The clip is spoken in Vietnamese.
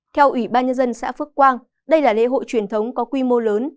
theo ủy ban nhân dân xã phước quang đây là lễ hội truyền thống có quy mô lớn